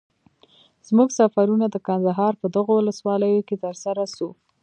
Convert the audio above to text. زموږ سفرونه د کندهار په دغو ولسوالیو کي تر سره سو.